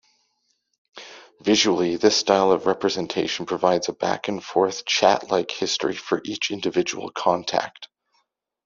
Visually, this style of representation provides a back-and-forth chat-like history for each individual contact.